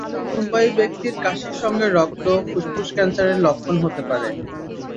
বয়স্ক, ধূমপায়ী ব্যক্তির কাশির সঙ্গে রক্ত ফুসফুস ক্যানসারের লক্ষণ হতে পারে।